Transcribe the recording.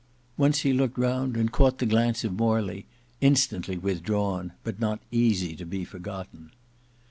Once he looked round and caught the glance of Morley, instantly withdrawn, but not easy to be forgotten.